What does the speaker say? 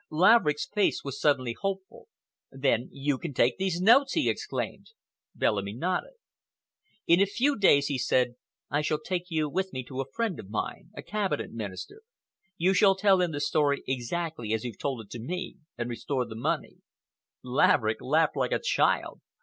Laverick's face was suddenly hopeful. "Then you can take these notes!" he exclaimed. Bellamy nodded. "In a few days," he said, "I shall take you with me to a friend of mine—a Cabinet Minister. You shall tell him the story exactly as you've told it to me, and restore the money." Laverick laughed like a child.